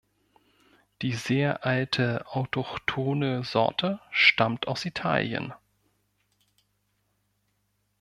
Die sehr alte autochthone Sorte stammt aus Italien.